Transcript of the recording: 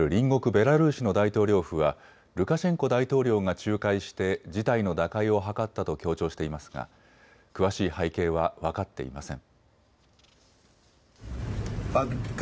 ベラルーシの大統領府はルカシェンコ大統領が仲介して事態の打開を図ったと強調していますが詳しい背景は分かっていません。